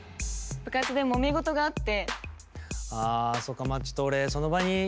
部活でもめ事があって。